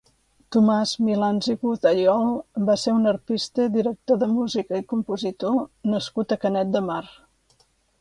Tomàs Milans i Godayol va ser un arpista, director de música i compositor nascut a Canet de Mar.